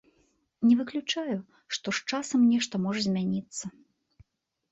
Не выключаю, што з часам нешта можа змяніцца.